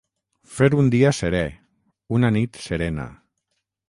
Fer un dia serè, una nit serena.